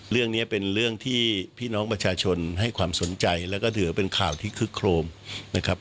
เรื่องนี้เป็นเรื่องที่พี่น้องประชาชนให้ความสนใจแล้วก็ถือเป็นข่าวที่คึกโครมนะครับ